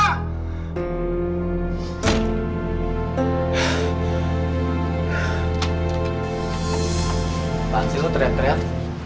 apaan sih lu teriak teriak